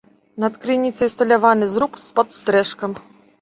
Над крыніцай усталяваны зруб з падстрэшкам.